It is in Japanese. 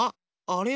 あれ？